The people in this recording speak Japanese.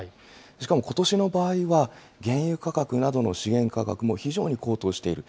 しかもことしの場合は、原油価格などの資源価格も非常に高騰している。